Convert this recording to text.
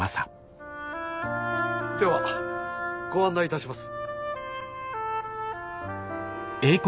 ではご案内いたします。